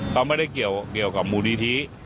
เขาไม่ได้เกี่ยวกับมูลนิธิ